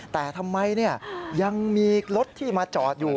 แต่ทำไมยังมีรถที่มาจอดอยู่